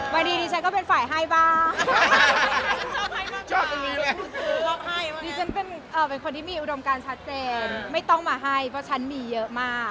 ดีดิฉันก็เป็นฝ่ายให้บ้างเป็นคนที่มีอุดมการชัดเจนไม่ต้องมาให้เพราะฉันมีเยอะมาก